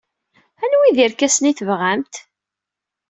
Anwi ay d irkasen ay tebɣamt?